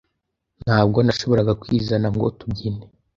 Ntabwo nashoboraga kwizana ngo tubyine.